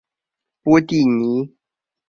波蒂尼。